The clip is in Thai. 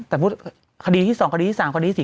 แต่พูดคดีที่๒คดีที่๓คดี๔